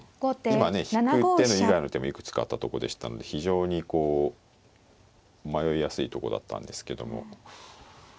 今ね引く手以外の手もいくつかあったとこでしたんで非常にこう迷いやすいとこだったんですけども。